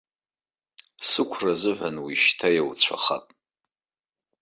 Сықәра азыҳәа уи шьҭа иауцәахап.